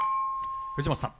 藤本さん